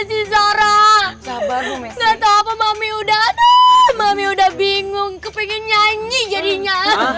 mbak si zara sabar naga mami udah udah bingung kepingin nyanyi jadinya